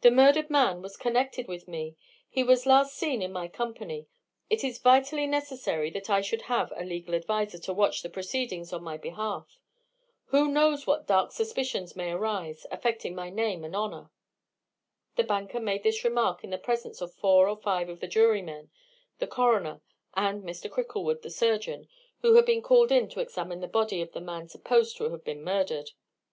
The murdered man was connected with me. He was last seen in my company. It is vitally necessary that I should have a legal adviser to watch the proceedings on my behalf. Who knows what dark suspicions may arise, affecting my name and honour?" The banker made this remark in the presence of four or five of the jurymen, the coroner, and Mr. Cricklewood, the surgeon who had been called in to examine the body of the man supposed to have been murdered.